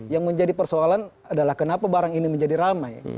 yang menjadi persoalan adalah kenapa barang ini menjadi ramai